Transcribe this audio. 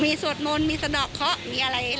มีสวดมนต์มีสะดอกเคาะมีอะไรหลายอย่าง